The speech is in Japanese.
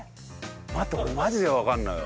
待って俺マジでわかんないわ。